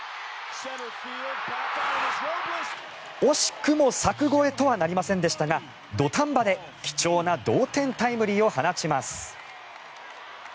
惜しくも柵越えとはなりませんでしたが土壇場で貴重な同点タイムリーを放ちます。